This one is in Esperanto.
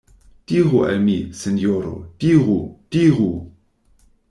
Diru al mi, sinjoro, diru, diru!